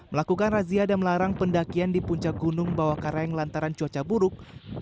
melakukan razia dan melarang pendakian di puncak gunung bawah karang lantaran cuaca buruk